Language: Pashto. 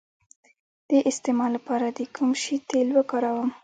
د استما لپاره د کوم شي تېل وکاروم؟